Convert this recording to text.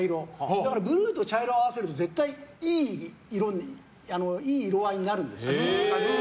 だからブルーと茶色を合わせると絶対いい色合いになるんです。